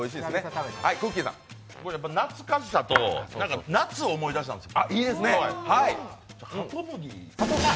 懐かしさと夏を思い出したんですよ。